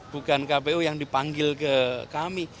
bukan kpu yang dipanggil ke kami